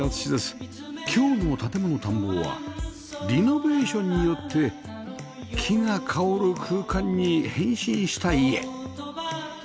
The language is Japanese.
今日の『建もの探訪』はリノベーションによって木が香る空間に変身した家